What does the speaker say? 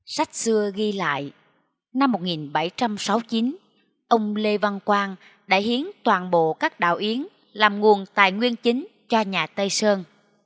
sách xưa ghi lại năm một nghìn bảy trăm sáu mươi chín ông lê văn quang đã hiến toàn bộ các đạo yến làm nguồn tài nguyên chính cho nhà tây sơn